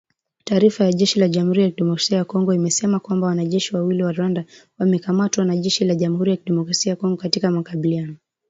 Taarifa ya jeshi la Jamuhuri ya Demokrasia ya Kongo imesema kwamba wanajeshi wawili wa Rwanda wamekamatwa na jeshi la Jamuhuri ya Demokrasia ya Kongo katika makabiliano